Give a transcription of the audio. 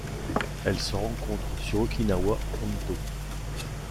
Elle se rencontre sur Okinawa Hontō.